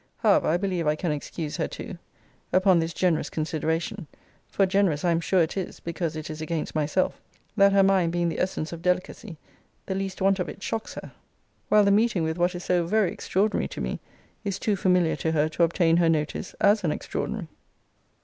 However, I believe I can excuse her too, upon this generous consideration, [for generous I am sure it is, because it is against myself,] that her mind being the essence of delicacy, the least want of it shocks her; while the meeting with what is so very extraordinary to me, is too familiar to her to obtain her notice, as an extraordinary.